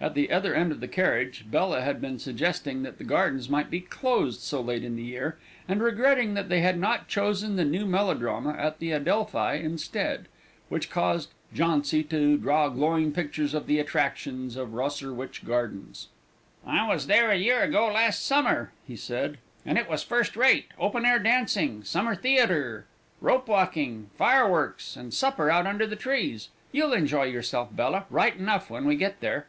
At the other end of the carriage, Bella had been suggesting that the gardens might be closed so late in the year, and regretting that they had not chosen the new melodrama at the Adelphi instead; which caused Jauncy to draw glowing pictures of the attractions of Rosherwich Gardens. "I was there a year ago last summer," he said, "and it was first rate: open air dancing, summer theatre, rope walking, fireworks, and supper out under the trees. You'll enjoy yourself, Bella, right enough when you get there!"